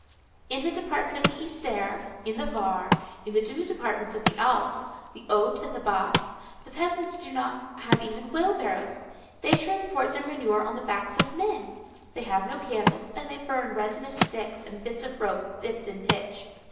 In the department of the Isère, in the Var, in the two departments of the Alpes, the Hautes, and the Basses, the peasants have not even wheelbarrows; they transport their manure on the backs of men; they have no candles, and they burn resinous sticks, and bits of rope dipped in pitch.